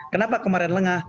kenapa kemarin lengah